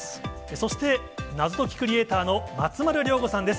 そして、謎解きクリエーターの松丸亮吾さんです。